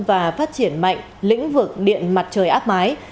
và phát triển mạnh lĩnh vực điện mặt trời áp mái